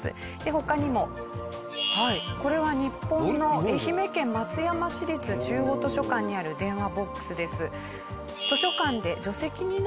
他にもはいこれは日本の愛媛県松山市立中央図書館にある電話ボックスです。